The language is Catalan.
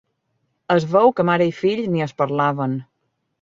Es veu que mare i fill ni es parlaven!